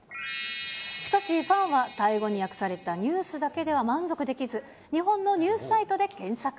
しかしファンは、タイ語に訳されたニュースだけでは満足できず、日本のニュースサイトで検索。